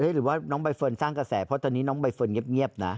หรือว่าน้องใบเฟิร์นสร้างกระแสเพราะตอนนี้น้องใบเฟิร์นเงียบนะ